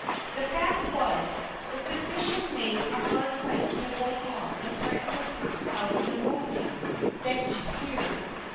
The fact was, the physician made a hard fight to ward off the threatened attack of pneumonia that he feared.